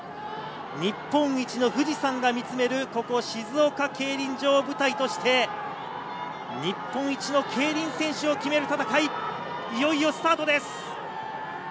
日本一の富士山が見つめるここ静岡競輪場を舞台として日本一の競輪選手を決める戦い、いよいよスタートです。